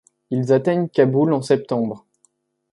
Ils atteignent Kaboul en septembre.